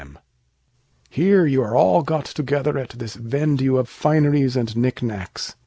Here you are all got together at this sale of fineries and knickknacks.